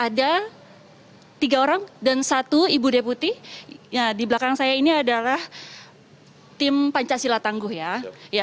ada tiga orang dan satu ibu deputi di belakang saya ini adalah tim pancasila tangguh ya